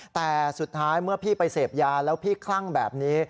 แต่สุดท้ายเมื่อพี่ไปเสพยาแล้วพี่คลั่งแบบนี้